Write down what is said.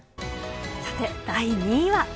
さて、第２位は。